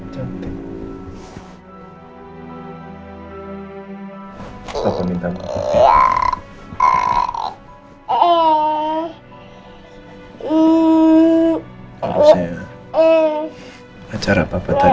baru menemukan reina gak apa apa ya no